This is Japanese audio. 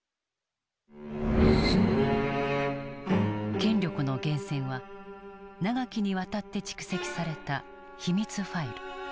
権力の源泉は長きにわたって蓄積された秘密ファイル。